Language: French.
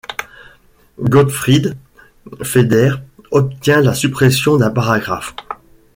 Gottfried Feder obtient la suppression d'un paragraphe.